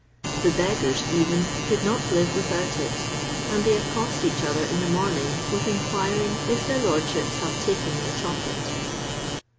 The beggars, even, could not live without it, and they accost each other in the morning with inquiring if their lordships have taken their chocolate.